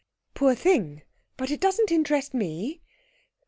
"Poor thing. But it doesn't interest me."